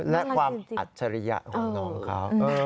และความอัจฉริยะของน้องเขา